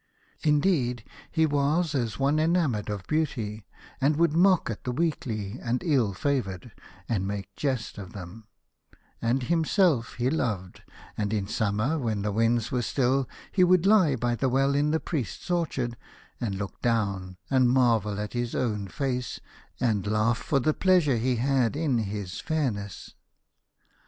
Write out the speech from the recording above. Indeed, he was as one enamoured of beauty, and would mock at the weakly and ill fa voured, and make jest of them ; and himself he loved, and in summer, when the winds were still, he would lie by the well in the priest's orchard and look down at the marvel of his own face, and laugh for the pleasure he had in his fairness.